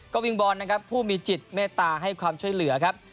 ก็วิ่งบอลนะครับผู้มีจิตเมตตาให้ความช่วยเหลือครับ